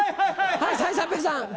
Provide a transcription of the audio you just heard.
はい三平さん。